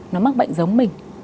nó mắc bệnh giống mình